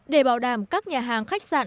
để bảo đảm các nhà hàng khách sạn